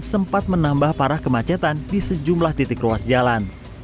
sempat menambah parah kemacetan di sejumlah titik ruas jalan